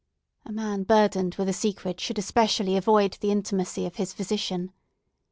A man burdened with a secret should especially avoid the intimacy of his physician.